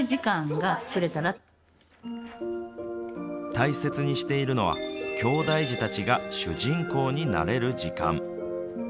大切にしているのはきょうだい児たちが主人公になれる時間。